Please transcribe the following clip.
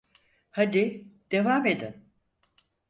Hadi, devam edin.